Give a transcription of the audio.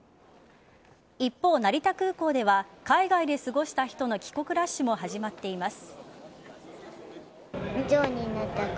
一方、成田空港では海外で過ごした人の帰国ラッシュも始まっています。